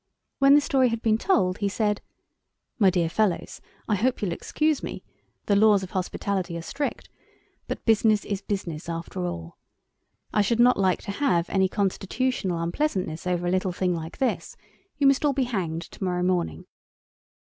When the story had been told, he said— "My dear fellows, I hope you'll excuse me—the laws of hospitality are strict—but business is business after all. I should not like to have any constitutional unpleasantness over a little thing like this; you must all be hanged to morrow morning."